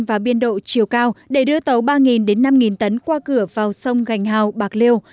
và biên độ chiều cao để đưa tàu ba đến năm tấn qua cửa vào sông gành hào bạc liêu